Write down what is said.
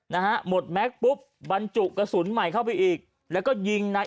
นะฮะหมดแม็กซ์ปุ๊บบรรจุกระสุนใหม่เข้าไปอีกแล้วก็ยิงนาย